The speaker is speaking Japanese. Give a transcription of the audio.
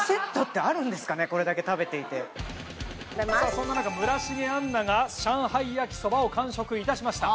そんな中村重杏奈が上海焼きそばを完食いたしました。